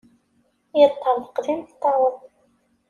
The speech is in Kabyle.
Yeṭṭerḍeq d imeṭṭawen.